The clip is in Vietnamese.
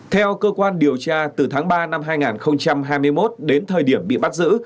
theo cơ quan điều tra từ tháng ba năm hai nghìn hai mươi một đến thời điểm bị bắt giữ